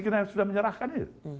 kita sudah menyerahkan ya